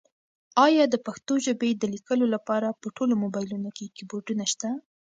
ایا د پښتو ژبې د لیکلو لپاره په ټولو مبایلونو کې کیبورډونه شته؟